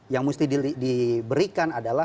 yang mesti diberikan adalah